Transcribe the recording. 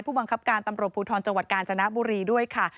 บังคับการตำรวจภูทรจังหวัดกาญจนบุรีด้วยค่ะ